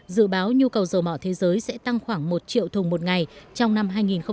dự báo nhu cầu dầu mỏ thế giới sẽ tăng khoảng một triệu thùng một ngày trong năm hai nghìn hai mươi